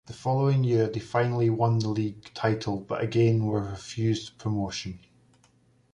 The following year they finally won the league title but again were refused promotion.